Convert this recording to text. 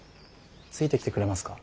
ついてきてくれますか？